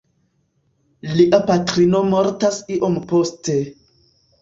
Lia patrino mortas iom poste.